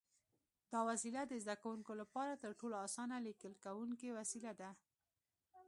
دا وسیله د زده کوونکو لپاره تر ټولو اسانه لیکل کوونکی وسیله ده.